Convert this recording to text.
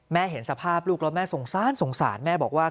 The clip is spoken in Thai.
แม่เห็นสภาพลูกอ่ะแม่สงสารแม่บอกว่า